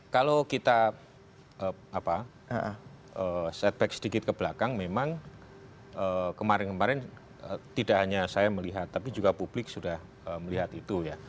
kalau kita setback sedikit ke belakang memang kemarin kemarin tidak hanya saya melihat tapi juga publik sudah melihat itu ya